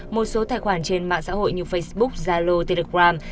một số tài khoản trên mạng xã hội như facebook zalo telegram